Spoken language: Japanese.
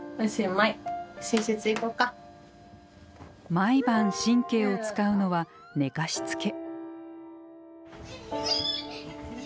毎晩神経を使うのは寝かしつけ。